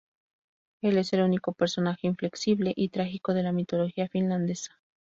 Él es el único personaje inflexible y trágico de la mitología finlandesa.